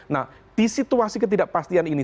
nah di situasi ketidakpastian ini